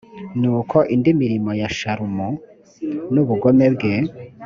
nuko indi mirimo ya shalumu n ubugome bwe